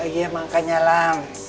ya makanya lam